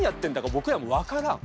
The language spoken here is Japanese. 僕らも分からん。